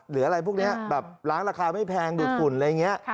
หรืออะไรพวกนี้แบบล้างราคาไม่แพงดูดฝุ่นอะไรอย่างนี้